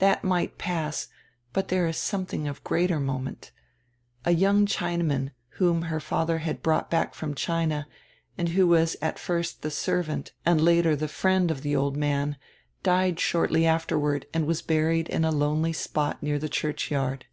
That might pass, but diere is something of greater moment A young China man, whom her father had brought back from China and who was at first the servant and later die friend of die old man, died shortly afterward and was buried in a lonely spot near die churchyard.